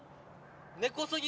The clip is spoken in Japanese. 根こそぎ。